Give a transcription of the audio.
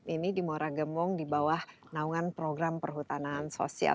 ini di mora gembong dibawah naungan program perhutanan sosial